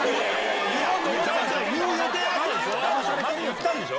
言ったんでしょ？